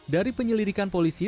dari penyelidikan polisi